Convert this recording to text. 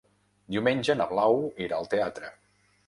Diumenge na Blau irà al teatre.